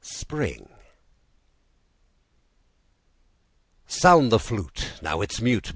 SPRING Sound the flute! Now it's mute!